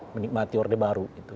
menikmati orde baru gitu